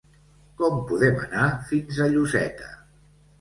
Com podem anar fins a Lloseta?